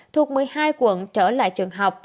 thuộc một mươi hai quận trở lại trường học